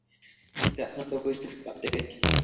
কিন্তু এখন তো পরিস্থিতি পাল্টে গেছে।